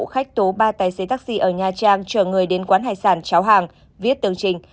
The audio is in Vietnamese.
khách tố ba tài xế taxi ở nha trang chở người đến quán hải sản cháo hàng viết tương trình